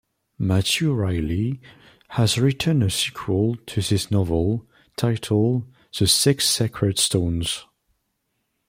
Matthew Reilly has written a sequel to this novel, titled "The Six Sacred Stones".